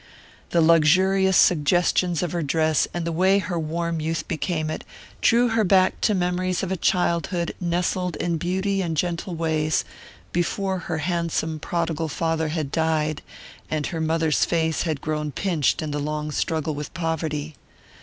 The luxurious suggestions of her dress, and the way her warm youth became it, drew her back to memories of a childhood nestled in beauty and gentle ways, before her handsome prodigal father had died, and her mother's face had grown pinched in the long struggle with poverty.